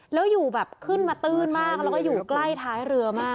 แล้วอยู่แบบขึ้นมาตื้นมากแล้วก็อยู่ใกล้ท้ายเรือมาก